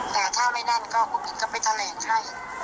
แต่ถ้าไม่นั่นก็คุณผู้หญิงก็ไปแถลงให้